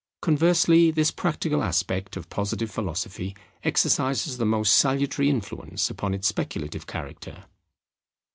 Conversely, this practical aspect of Positive Philosophy exercises the most salutary influence upon its speculative character.